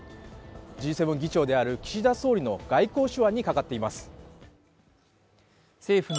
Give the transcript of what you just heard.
Ｇ７議長である岸田総理の外交手腕にかかっています。